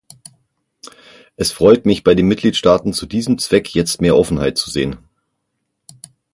Es freut mich, bei den Mitgliedstaaten zu diesem Zweck jetzt mehr Offenheit zu sehen.